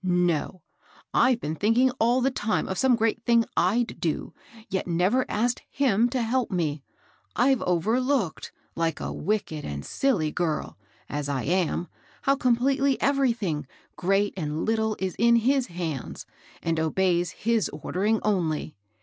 No I I've been thinking all the time of some great thing Pd do, yet never asked JBSm to help me \ I've overlooked, like a wicked and sQly girl, as I am, how completely everything, great and little, is in his hands, and obeys his ordering only.